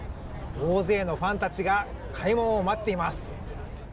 大勢のファンたちが開門を待っています。